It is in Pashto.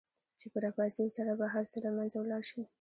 چې په را پاڅېدو سره به هر څه له منځه ولاړ شي.